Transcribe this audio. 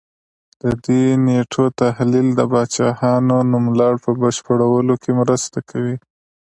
د دې نېټو تحلیل د پاچاهانو نوملړ په بشپړولو کې مرسته کوي